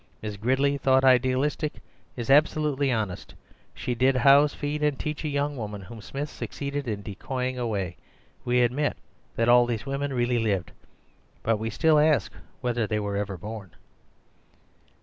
Miss Gridley, though idealistic, is absolutely honest. She did house, feed, and teach a young woman whom Smith succeeded in decoying away. We admit that all these women really lived. But we still ask whether they were ever born?"